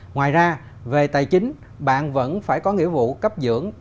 ngoài ra về tài chính bạn vẫn phải có nghĩa vụ cấp dưỡng